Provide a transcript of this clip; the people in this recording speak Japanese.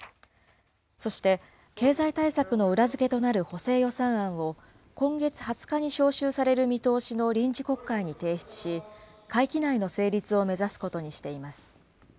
そして経済対策の裏付けとなる補正予算案を、今月２０日に召集される見通しの臨時国会に提出し、会期内の成立を目指すことにしています。